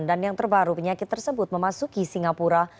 dan yang terbaru penyakit tersebut memasuki singapura